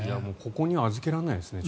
ここには預けられないですよね。